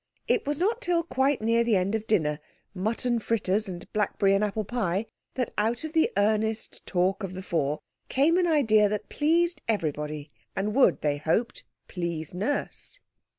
It was not till quite near the end of dinner—mutton fritters and blackberry and apple pie—that out of the earnest talk of the four came an idea that pleased everybody and would, they hoped, please Nurse.